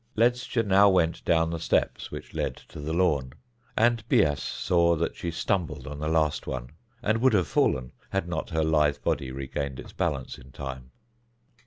Ledscha now went clown the steps which led to the lawn, and Bias saw that she stumbled on the last one and would have fallen had not her lithe body regained its balance in time.